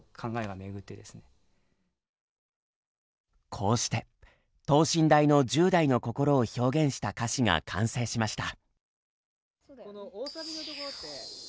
こうして等身大の１０代の心を表現した歌詞が完成しました。